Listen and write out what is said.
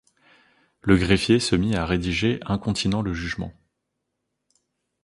Le greffier se mit à rédiger incontinent le jugement.